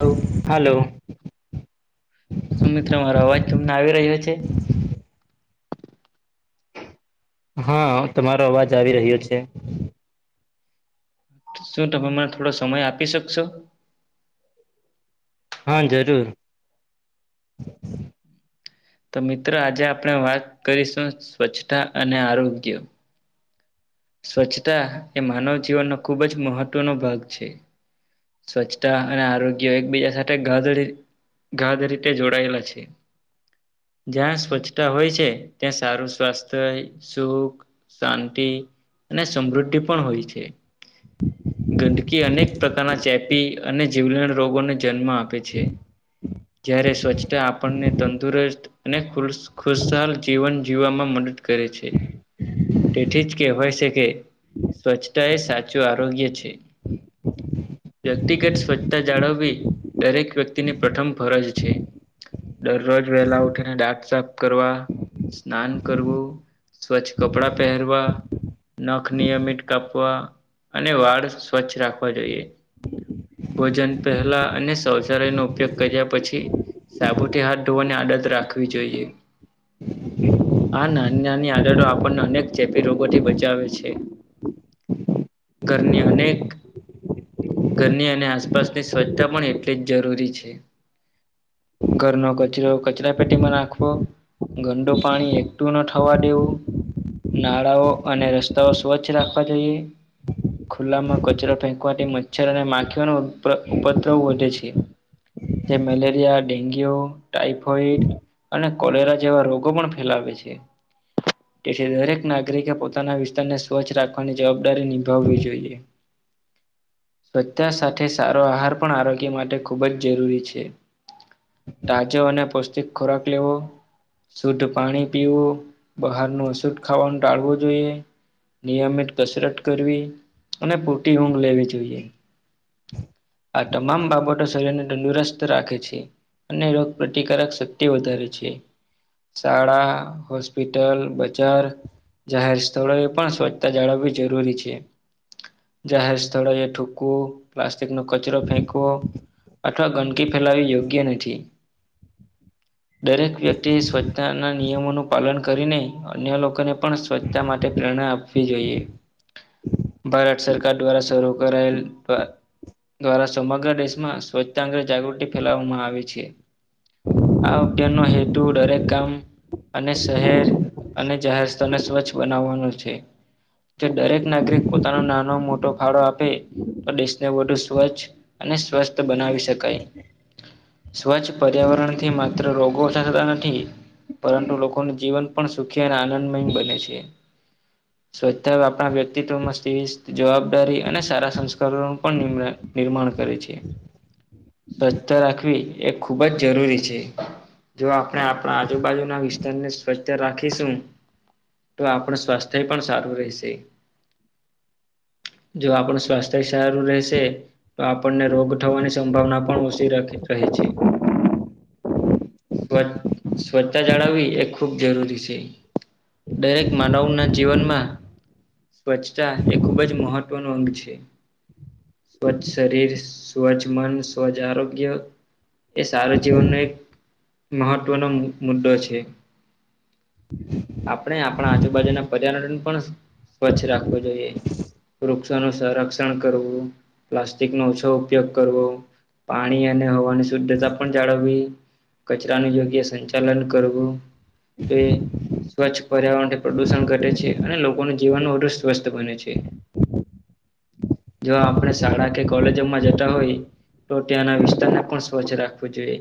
હ હાલો સુમિત્ર મારો અવાજ તમને આવી રહ્યો છે હા તમારો અવાજ આવી રહ્યો છે શું તમે મને થોડો સમય આપી શકશો હા જરૂર તો મિત્રો આજે આપણે વાત કરીશું સ્વચ્છતા અને આરોગ્ય સ્વચ્છતા એ માનવ જીવનનો ખૂબ જ મહત્વનો ભાગ છે સ્વચ્છતા અને આરોગ્ય એકબીજા સાથે ગધડી ઘાધ રીતે જોડાયેલા છે જ્યાં સ્વચ્છતા હોય છે ત્યાં સારું સ્વાસ્થ્ય સુખ શાંતિ અને સમૃદ્ધિ પણ હોય છે ગંદકી અનેક પ્રકારના ચેપી અને જીવલેણ રોગોને જન્મ આપે છે જ્યારે સ્વચ્છતા આપણને તંદુરસ્ત અને ખુશાલ જીવન જીવામાં મદદ કરે છે તેથી જ કહેવાય કે સ્વચ્છતા એ સાચું આરોગ્ય છે વ્યક્તિગત સ્વચ્છતા જાળવવી દરેક વ્યક્તિની પ્રથમ ફરજ છે દરરોજ વેલા ઉઠીને ડાક સાફ કરવા સ્નાન કરવું સ્વચ્છ કપડા પહેરવા નખ નિયમિત કાપવા અને વાળ સ્વચ્છ રાખવા જોઈએ ભોજન પહેલા અને શૌચાલયનો ઉપયોગ કર્યા પછી સાબુથી હાથ ધોવાની આડત રાખવી જોઈએ આ નાની નાની આદતો આપણને અનેક ચેપી રોગોથી બચાવે છે ઘરની અનેક ઘરની અને આસપાસની સ્વચ્છતા પણ એટલી જ જરૂરી છે ઘરનો કચરો કચરા પેટીમાં નાખવો ગંંદુ પાણી એકઠું ન થવા દેવું નાળાઓ અને રસ્તાઓ સ્વચ્છ રાખવા જોઈએ ખુલ્લામાં કચરો ફેંકવાથી મચ્છર અને માખીઓનો ઉપદ્રવ વધે છે જે મલેરિયા ડેન્ગ્યુ ટાઈફોઈડ અને કોલેરા જેવા રોગો પણ ફેલાવે છે તેથી દરેક નાગરિકે પોતાના વિસ્તાર ને સ્વચ્છ રાખવાની જવાબદારી નિભાવવી જોઈએ. સ્વચ્છતા સાથે સારો આહાર પણ આરોગ્ય માટે ખૂબ જ જરૂરી છે. તાજો અને પૌષ્ટિક ખોરાક લેવો શુદ્ધ પાણી પીવું બહારનું શુદ્ધ ખાવાનું ટાળવું. તો એ નિયમિત કસરત કરવી અને પૂટી ઊંઘ લેવી. જોઈએ આ તમામ બાબતો શરીરને તંદુરસ્ત. રાખે છે અને રોગ પ્રતિકારક શક્તિ વધારે છે. શાળા હોસ્પિટલ બજાર જાહેર સ્થળોએ પણ સ્વચ્છતા જાળવવી જરૂરી છે. જાહેર સ્થળે ઠુંકુ પ્લાસ્ટિક નો કચરો ફેંકવો અથવા ગંદકી ફેલાવી યોગ્ય નથી. દરેક વ્યક્તિએ સ્વચ્છતાના નિયમોનું પાલન કરીને અન્ય લોકોને પણ સ્વચ્છતા માટે પ્રેરણા આપવી જોઈએ. ભારત સરકાર દ્વારા શરૂ કરાયેલ દ્વારા સમગ્ર દેશમાં સ્વચ્છતા અંગે જાગૃતિ ફેલાવવામાં આવે છે. આ અભિયાન નો હેતુ દરેક ગામ અને શહેર અને જાહેર ત ને સ્વચ્છ બનાવવાનો છે. જે દરેક નાગરિક પોતાનો નાનો મોટો ફાળો આપે. તો દેશને વધુ સ્વચ્છ અને સ્વસ્થ બનાવી શકાય. સ્વચ્છ પર્યાવરણથી માત્ર રોગો થતા નથી. પરંતુ લોકોનું જીવન પણ સુખી અને આનંદમય બને છે. સ્વચ્છતાઓ આપણા વ્યક્તિત્વમાં સિસ્થ જવાબદારી અને સારા સંસ્કારોનું પણ નિ નિર્માણ કરે છે. સ્વચસ્થા રાખવી એ ખૂબ જ જરૂરી છે. જો આપણે આપણા આજુબાજુના વિસ્તારને સ્વચ્છ રાખીશું તો આપણે સ્વાસ્થ્ય પણ સારું રહેશે. જો આપણુ સ્વાસ્થ્ય સારું રહેશે તો આપણને રોગ થવાની સંભાવના પણ ઓછી રખી રહે છે. સ્વ સ્વચ્છતા જાળવવી એ ખૂબ જરૂરી છે. દરેક માનવના જીવનમાં સ્વચ્છતા એ ખૂબ જ મહત્વનો અંગ છે. સ્વચ્છ શરીર સ્વચ્છ મન સ્વચ્છ આરોગ્ય એ સારા જીવનનો એક મહત્વનો મુ મુદ્દો છે. હ. આપણે આપ પણ આજુબાજુના પર્યાવરણ પણ સ્વચ્છ રાખવું જોઈએ. વૃક્ષો નુ સંરક્ષણ કરવું પ્લાસ્ટિક નો ઓછો ઉપયોગ કરવો. પાણી અને હવાની શુદ્ધતા પણ જાળવવી કચરાનું યોગ્ય સંચાલન કરવું તો એ સ્વચ્છ પર્યાવરણથી પ્રદુષણ ઘટે છે અને લોકોનું જીવન ઓટુ સ્વસ્થ બને છે. જો આપણે શાળા કે કોલેજમાં જતા હોય તો ત્યાંના વિસ્તારને પણ સ્વચ્છ રાખવું જોઈએ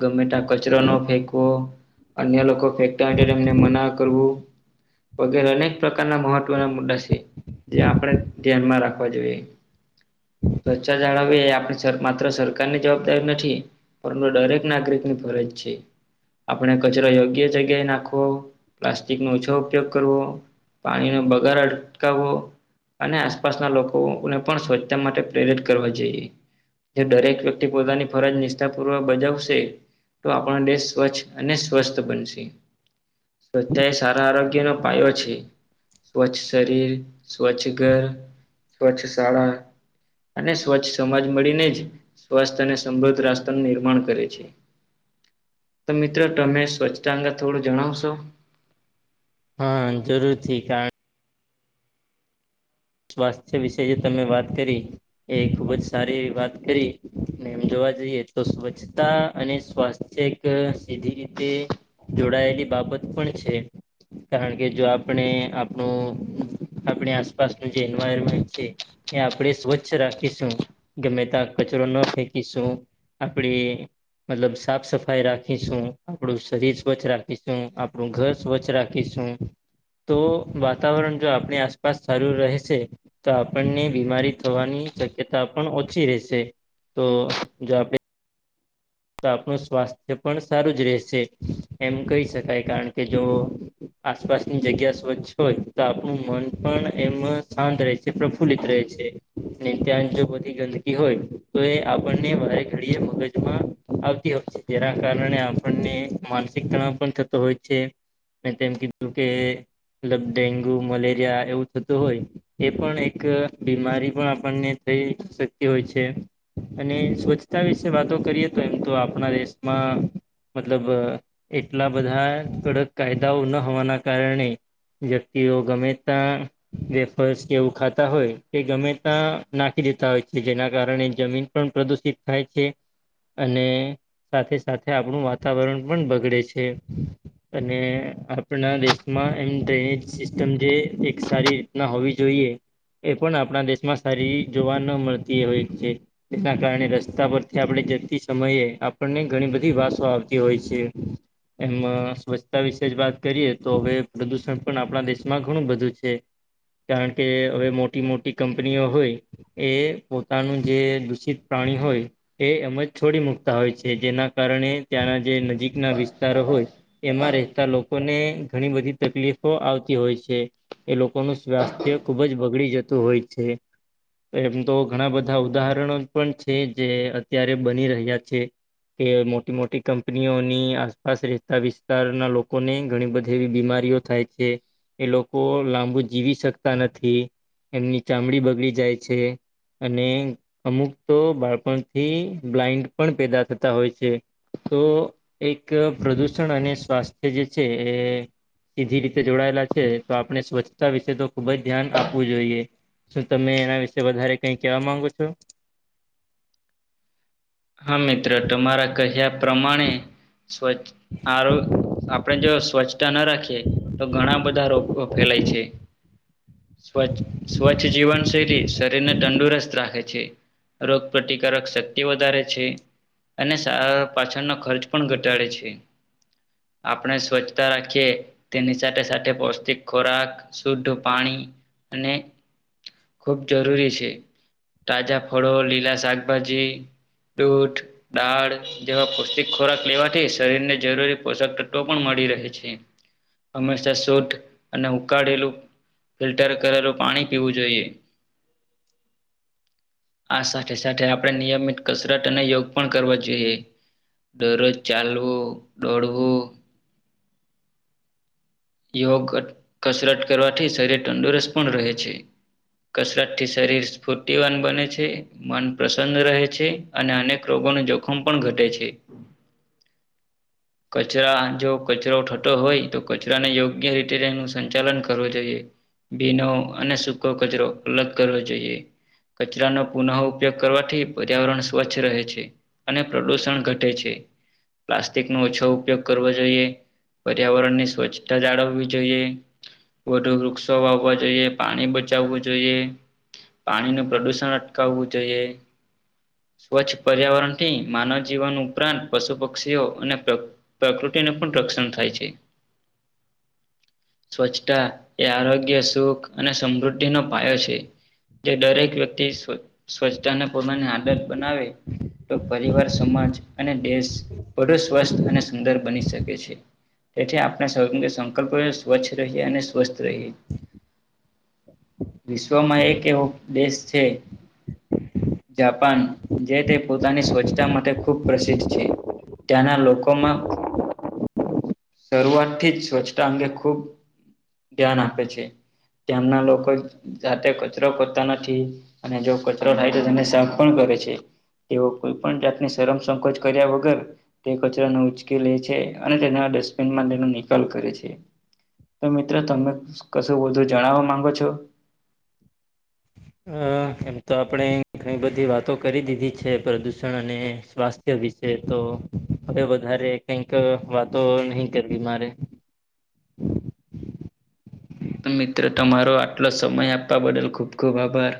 ગમેટ કચરો ન ફેકવો અન્ય લોકો ફેંકતા હોય તો એમને મના કરવું વગેરે અનેક પ્રકારના મહત્વના મુદ્દા છે. જે આપણે ધ્યાનમાં રાખવા જોઈએ. સ્વચ્છા જાળવી એ આપણી છ માત્ર સરકારની જવાબદારી નથી પરંતુ દરેક નાગરિક ની ફરજ છે આપણે કચરો યોગ્ય જગ્યાએ નાખવો પ્લાસ્ટિક નો ઓછો ઉપયોગ કરવો પાણીનો બગાડ અટકાવવો અને આસપાસના લોકોને પણ સ્વચ્છતા માટે પ્રેરિત કરવા જોઈએ. જે દરેક વ્યક્તિ પોતાની ફરજ નિષ્ઠાપૂર્વક બજવશે. તો આપણાો દેેશ સ્વચ્છ અને સ્વસ્થ બનશે. સ્વચ્છતા એ સારા આરોગ્ય નો પાયો છે. સ્વચ્છ શરીર, સ્વચ્છ ઘર, સ્વચ્છ શાળા અને સ્વચ્છ સમાજ મળીને જ સ્વાસ્થ્ય અને સમૃદ્ધ રાસ્તાનું નિર્માણ કરે છે. તો મિત્રો તમે સ્વચ્છતા અંગે થોડું જણાવશો? હા જરૂરથી કારણ સ્વાસ્થ્ય વિશે જે તમે વાત કરી એ ખુબ જ સારી વાત કરી અને એમ જોવા જઈએ તો સ્વચ્છતા અને સ્વાસ્થ્ય એક સીધી રીતે જોડાયેલી બાબત પણ છે. કારણ કે જો આપણે આપણું આપણી આસપાસનું જે એન્વાયરમેન્ટ છે. એ આપણે સ્વચ્છ રાખીશું ગમે ત્યાં કચરો ન ફેંકીશું. આપડે મતલબ સાફ સફાઈ રાખીશું, આપડું શરીર સ્વચ્છ રાખીશું, આપણું ઘર સ્વચ્છ રાખ શું તો વાતાવરણ જો આપણી આસપાસ સારું રહેશે તો આપણને બીમારી થવાની શક્યતા પણ ઓછી રહેશે. તો [inaudible] તો આપણું સ્વાસ્થ્ય પણ સારું જ રહેશે એમ કહી શકાય કારણ કે જોઓ આસપાસની જગ્યા સ્વચ્છ હોય તો આપણું મન પણ એમ શાંત રહે છે પ્રફુલ્લિત રહે છે. ને ત્યાં જો બધી ગંદકી હોય તો એ આપણને માય ઘડીએ મગજમાં આવતી હોય છે જેના કારણે આપણને માનસિક તણાવ પણ થતો હોય છે. મે તેમ કીધું કે મતલબ ડેન્ગુ, મલેરિયા એવું થતું હોય. એ પણ એક બીમારી પણ આપણને થઈ શકતી હોય છે. અને સ્વચ્છતા વિશે વાતો કરીએ તો એમ તો આપણા દેશમાં મતલબ એટલા બધા કડક કાયદાઓ ન હોવાના કારણે. [inaudible] ગમે ત વેફર્સ કે એવું ખાતા હોય તે ગમે ત્યા નાખી દેતા હોય છે જેના કારણે જમીન પણ પ્રદૂષિત થાય છે. અને સાથે સાથે આપણું વાતાવરણ પણ બગડે છે. અને આપણા દેશમાં એમ ડ્રેનેજ સિસ્ટમ જે એક સારી રીતના હોવી જોઈએ. એ પણ આપણા દેશમાં સારી જોવા ન મળતી હોય છે. એના કારણે રસ્તા પરથી આપણે જ સમયે આપણને ઘણી બધી વાસો આવતી હોય છે. એમ સ્વચ્છતા વિશે જ વાત કરીએ તો હવે પ્રદુષણ પણ આપણા દેશમાં ઘણું બધું છે. કારણ કે હવે મોટી મોટી કંપનીઓ હોય. એ પોતાનું જે દૂષિત પ્રાણી હોય એ એમ જ છોડી મુકતા હોય છે જેના કારણે ત્યાંના જે નજીકના વિસ્તારો હોય એમાં રહેતા લોકો લોકોને ઘણી બધી તકલીફો આવતી હોય છે. એ લોકોનું સ્વાસ્થ્ય ખુબ જ બગડી જતું હોય છે. એમ તો ઘણા બધા ઉદાહરણો પણ છે જે અત્યારે બની રહ્યા છે. કે મોટી મોટી કંપનીઓની આસપાસ રહેતા વિસ્તારના લોકોને ઘણી બધી એવી બીમારીઓ. થાય છે એ લોકો લાંબુ જીવી શકતા નથી. એમની ચામડી બગડી જાય છે અને અમુક તો બાળપણથી બ્લાઈન્ડ પણ પેદા થતા હોય છે. તો એક પ્રદુષણ અને સ્વાસ્થ્ય જે છે એ એ જે રીતે જોડાયેલા છે તો આપણે સ્વચ્છતા વિશે તો ખુબ જ ધ્યાન આપવું જોઈએ. શું તમે એના વિશે વધારે કઈ કેવા માંગો છો? હા મિત્ર તમારા કહ્યા પ્રમાણે સ્વચ્છ આરો આપણેે જો સ્વચ્છતા ના રાખીએ તો ઘણા બધા રોગો ફેલાય છે. સ્વચ્છ સ્વચ્છ જીવન શૈલી શરીરને તંદુરસ્ત રાખે છે. રોગ પ્રતિકારક શક્તિ વધારે છે. છે. અને સારા પાછળનો ખર્ચ પણ ઘટાડે છે. આપણે સ્વચ્છતા રાખીએ તેની સાથે સાથે પૌષ્ટિક ખોરાક શુદ્ધ પાણી અને ખુબ જરૂરી છે. તાજા ફળો લીલા શાકભાજી દૂધ દાળ જેવા પૌષ્ટિક ખોરાક લેવાથી શરીરને જરૂરી પોષક તત્વો પણ મળી રહે છે. હંમેશા શોધ અને ઉકાળેલું ફિલ્ટર કરેલું પાણી પીવું જોઈએ. આ સાથે સાથે આપડે નિયમિત કસ રત અને યોગ પણ કરવા જોઈએ. દરરોજ ચાલવું, દોડવું યોગ, કસરત કરવાથી શરીર તંદુરસ્ત પણ રહે છે. કસરત થી શરીર સ્ફૂર્તિવાન બને છે. મન પ્રસન્ન રહેે છે. અને અનેક રોગોનું જોખમ પણ ઘટે છે. કચરા જો કચરો થતો હોય તો તો તેને યોગ્ય રીતે તેનું સંચાલન કરવું જોઈએ. ભીનો અને સૂકો કચરો અલગ કરવો જોઈએ. કચરાનો પુનઃ ઉપયોગ કરવાથી, પર્યાવરણ સ્વચ્છ રહે છે. અને પ્રદૂષણ ઘટે છે. પ્લાસ્ટિક નો ઓછો ઉપયોગ કરવો જોઈએ. પર્યાવરણ ની સ્વચ્છ તા જાળવવી જોઈએ. વધુ વૃક્ષો વાવવા જોઈએ. પાણી બચાવવું જોઈએ. પાણી નું પ્રદુષણ અટકાવવું જોઈએ. સ્વચ્છ પર્યાવરણ થી, માનવ જીવન ઉપરાંત પશુ પક્ષીઓ અને પ્ર પ્રકૃતિને પણ રક્ષણ થાય છે. સ્વચ્છતા એ આરોગ્ય સુખ અને સમૃદ્ધિનો માયા છે. જે દરેક વ્યક્તિ સ્વ-સ્વચ્છતાના પ્રમાણે આદત બનાવે તો પરિવાર સમાજ અને દેશ બધું સ્વસ્થ અને સુંદર બની શકે છે. તેથી આપણે સંકલ્પ સ્વચ્છ રહીએ અને સ્વસ્થ રહીએ. વિશ્વમાં એક એવું દેશ છે જાપાન જે તે પોતાની સ્વચ્છતા માટે ખૂબ પ્રસિદ્ધ છે. ત્યાંના લોકોમાં શરૂઆત થી જ, સ્વચ્છતા અંગે ખુબ ધ્યાન આપે છે. તેમના લોકો જાતે કચરો કરતા નથી. અને જો કચરો થાય તો તેને સાફ પણ કરે છે. તેઓ કોઈ પણ જાતને શરમ સંકોચ કર્યા વગર તે કચરાને ઉચકી લે છે. અને તેના ડસ્ટબિનમાં તેનો નિકાલ કરે છે. તો મિત્ર, તમે કશું વધુ જણાવવા માંગો છો? આ. એમ તો આપણે ઘણી બધી વાતો કરી દીધી છે પ્રદૂષણ અને સ્વાસ્થ્ય વિશ શે તો હવે વધારે, કઈક વાતો નહી કરવી મારે. તો મિત્રો, તમારો આટલો સમય આપવા બદલ ખૂબ ખૂબ આભાર.